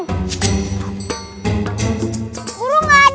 guru gak ada